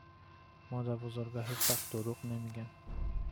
مادر بزرگا هیچ وقت دروغ نمیگن